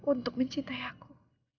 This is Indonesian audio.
untuk mencintai aku